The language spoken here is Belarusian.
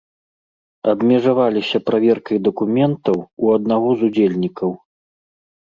Абмежаваліся праверкай дакументаў у аднаго з удзельнікаў.